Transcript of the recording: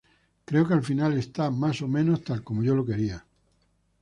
Creo que al final está más o menos tal como yo lo quería.